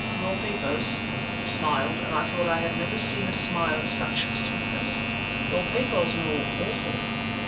Your papers"—he smiled, and I thought I had never seen a smile of such sweetness—"your papers know all!